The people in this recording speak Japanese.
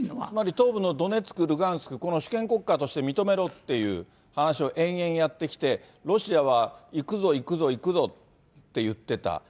つまり東部のドネツク、ルガンスク、この主権国家として認めろっていう話を延々やってきて、ロシアは行くぞ、行くぞ、行くぞって言ってた。